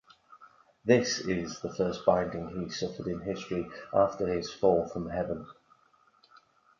This is the first binding he suffered in history after his fall from heaven.